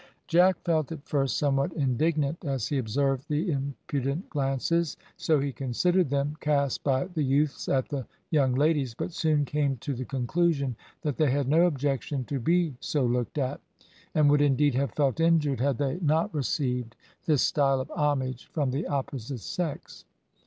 Jack felt, at first, somewhat indignant as he observed the impudent glances, so he considered them, cast by the youths at the young ladies; but soon came to the conclusion that they had no objection to be so looked at, and would indeed have felt injured had they not received this style of homage from the opposite sex.